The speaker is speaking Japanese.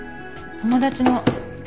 友達の。